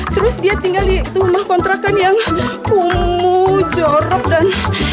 terus dia tinggal di rumah kontrakan yang kumuh jorok dan